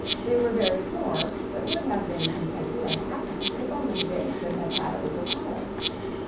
They were very poor, but would have been contented and happy if only they could have had a little child.